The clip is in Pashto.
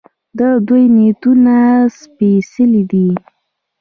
د دوی نیتونه سپیڅلي دي.